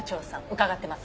伺ってます。